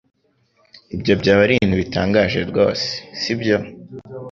Ibyo byaba ari ibintu bitangaje rwose, sibyo?